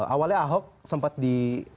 awalnya ahok sempat di